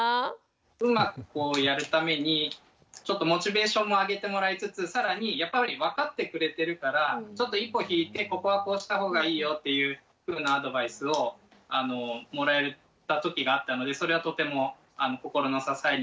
うまくやるためにちょっとモチベーションも上げてもらいつつ更にやっぱり分かってくれてるからちょっと一歩引いてここはこうした方がいいよというふうなアドバイスをもらえた時があったのでそれはとても心の支えになりました。